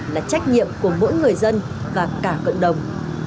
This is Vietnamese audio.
là trách nhiệm của mỗi người dân và cả cộng đồng